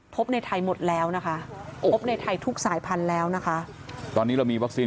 พบในไทยหมดแล้วนะคะพบในไทยทุกสายพันธุ์แล้วนะคะตอนนี้เรามีวัคซีน